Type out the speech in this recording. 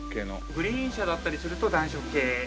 グリーン車だったりすると暖色系。